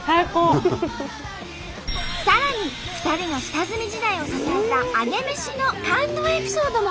さらに２人の下積み時代を支えたアゲメシの感動エピソードも。